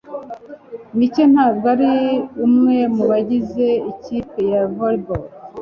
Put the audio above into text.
Mike ntabwo ari umwe mubagize ikipe ya volley ball.